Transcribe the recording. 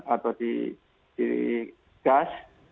atau di gas